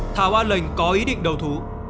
thảo an lệnh có ý định đầu thú